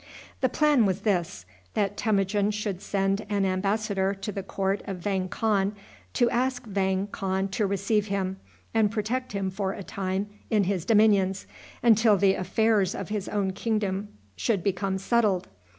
The plan was this: that Temujin should send an embassador to the court of Vang Khan to ask Vang Khan to receive him, and protect him for a time in his dominions, until the affairs of his own kingdom should become settled.